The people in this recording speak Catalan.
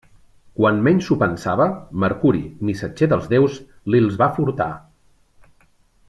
Quan menys s'ho pensava, Mercuri, missatger dels déus, li'ls va furtar.